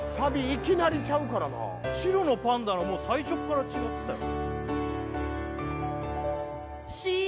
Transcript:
いきなりちゃうからな「白のパンダ」の最初っから違ってたよ